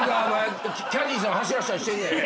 キャディーさん走らせたりしてるやろ。